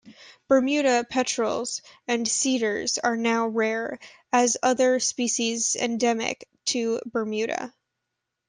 Bermuda petrels and cedars are now rare, as are other species endemic to Bermuda.